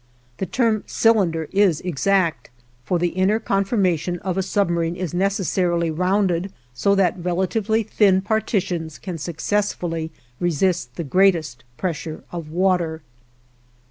The term "cylinder" is exact, for the inner conformation of a submarine is necessarily rounded, so that relatively thin partitions can successfully resist the greatest pressure of water.